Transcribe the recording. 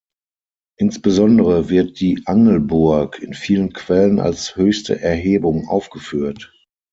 Insbesondere wird die Angelburg in vielen Quellen als höchste Erhebung aufgeführt.